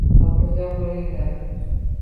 Xotirjam bo‘linglar